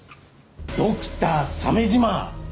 ドクター鮫島。